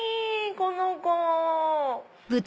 この子。